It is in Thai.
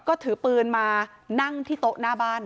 ก็ถือปืนมานั่งที่โต๊ะหน้าบ้าน